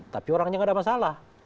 tapi orangnya gak ada masalah